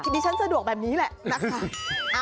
ดิฉันสะดวกแบบนี้แหละนะคะ